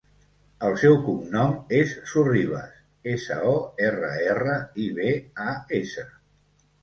El seu cognom és Sorribas: essa, o, erra, erra, i, be, a, essa.